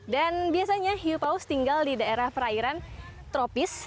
dan biasanya hiupaus tinggal di daerah perairan tropis